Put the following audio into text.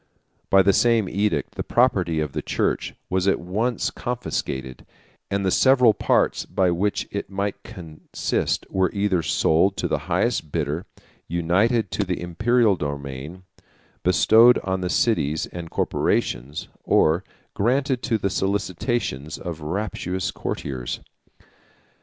By the same edict, the property of the church was at once confiscated; and the several parts of which it might consist were either sold to the highest bidder, united to the Imperial domain, bestowed on the cities and corporations, or granted to the solicitations of rapacious courtiers.